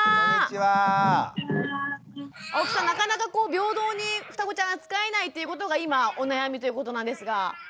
なかなかこう平等にふたごちゃん扱えないということが今お悩みということなんですが。